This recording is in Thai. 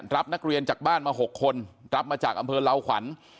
รับนักเรียนจากบ้านมา๖คนรับมาจากอำเภอลาวขวัญ